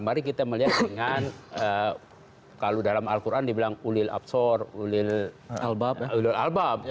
mari kita melihat dengan kalau dalam al quran dibilang ulil absor ulil albab